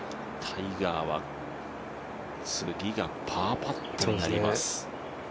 タイガーは、次がパーパットになります。